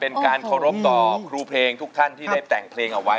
เป็นการเคารพต่อครูเพลงทุกท่านที่ได้แต่งเพลงเอาไว้